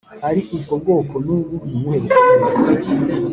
Ari ubwo bwoko n’ubu nubuhe bukomeye